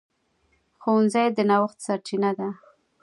ښوونځی د نوښت سرچینه ده